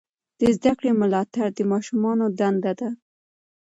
د زده کړې ملاتړ د ماشومانو دنده ده.